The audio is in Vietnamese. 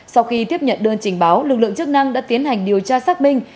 sau khi tiếp nhận đơn trình báo lực lượng chức năng đã tiến hành điều tra xác minh